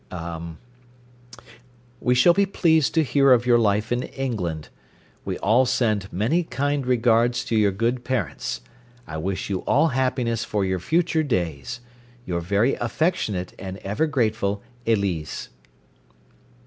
"Er ' We shall be pleased to hear of your life in England. We all send many kind regards to your good parents. I wish you all happiness for your future days. Your very affectionate and ever grateful Elise.'"